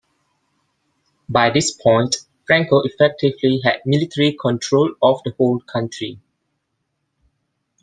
By this point, Franco effectively had military control of the whole country.